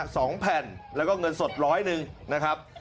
สองแผ่นแล้วก็เงินสดร้อยหนึ่งนะครับ